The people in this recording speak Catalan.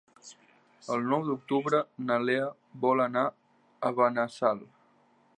El nou d'octubre na Lea vol anar a Benassal.